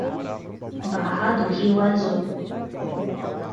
Barra do Rio Azul